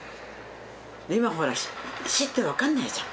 今ほら「死」って分かんないじゃん。